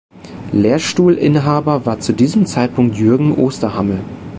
Lehrstuhlinhaber war zu diesem Zeitpunkt Jürgen Osterhammel.